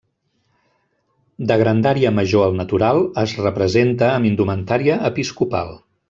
De grandària major al natural, es representa amb indumentària episcopal.